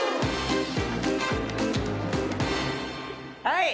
はい。